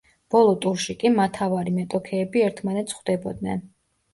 ბოლო ტურში კი მათავარი მეტოქეები ერთმანეთს ხვდებოდნენ.